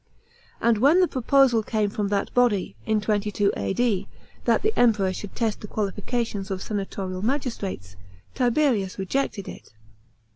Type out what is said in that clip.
And whan the proposal came from that body (in 22 A.D.) that the Emperor should test the qualifications of senatorial magistrates, Tiberius rejected it.